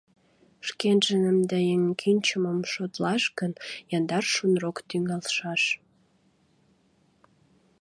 Шкенжыным да еҥ кӱнчымым шотлаш гын, яндар шунрок тӱҥалшаш.